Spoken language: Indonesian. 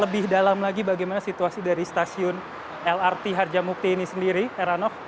di dalam lagi bagaimana situasi dari stasiun lrt harja mukti ini sendiri heranof